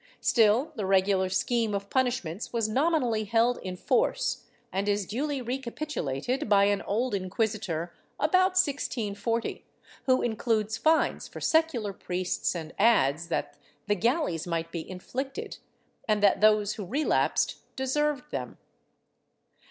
Still the regular scheme of punish ments was nominally held in force, and is duly recapitulated by an old inquisitor about 1640, who includes fines for secular priests and adds that the galleys might be inflicted, and that those who relapsed deserved them.